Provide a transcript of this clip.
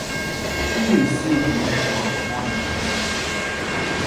He received the Medal of Honor.